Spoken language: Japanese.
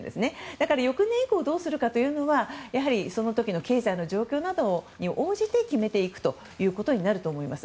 だから翌年以降どうするかというのはその時の経済の状況などに応じて決めていくことになると思います。